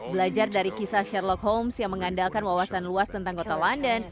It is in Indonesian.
belajar dari kisah sherlock homes yang mengandalkan wawasan luas tentang kota london